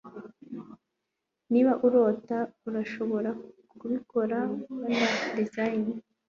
niba urota, urashobora kubikora. - walt disney